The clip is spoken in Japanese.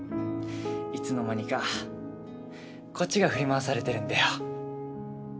いつの間にかこっちが振り回されてるんだよ。